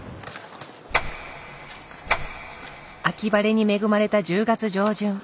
秋晴れに恵まれた１０月上旬。